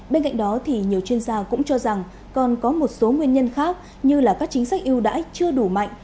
bên cạnh đó thì nhiều chuyên gia cũng cho rằng còn có một số nguyên nhân khác như là các chính sách yêu đãi chưa đủ mạnh